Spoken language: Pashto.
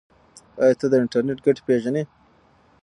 ایا ته د انټرنیټ ګټې پیژنې؟